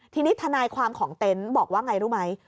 ทีนี้ทนายความของเต็นต์บอกว่าไงรู้ไหม